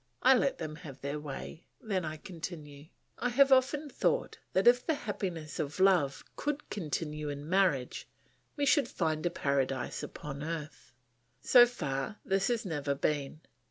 I let them have their way; then I continue: "I have often thought that if the happiness of love could continue in marriage, we should find a Paradise upon earth. So far this has never been.